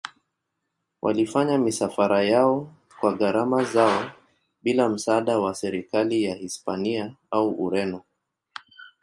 Walifanya misafara yao kwa gharama zao bila msaada wa serikali ya Hispania au Ureno.